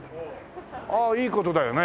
ああいい事だよね。